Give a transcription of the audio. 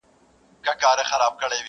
نيت و مراد.